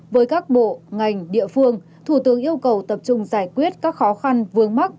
với các bộ ngành địa phương thủ tướng yêu cầu tập trung giải quyết các khó khăn vướng mắt